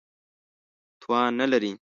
توان نه لري.